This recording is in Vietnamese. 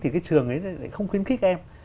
thì cái trường ấy không khuyến khích em